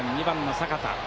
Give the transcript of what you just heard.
２番の坂田。